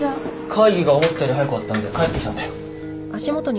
会議が思ったより早く終わったんで帰ってきたんだよ。